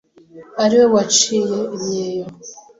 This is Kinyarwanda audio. ari we waciye imyeyo